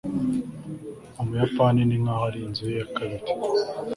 ubuyapani ni nkaho ari inzu ye ya kabiri